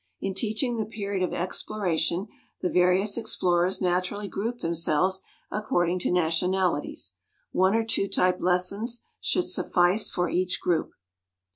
In teaching the period of exploration the various explorers naturally group themselves according to nationalities. One or two type lessons should suffice for each group.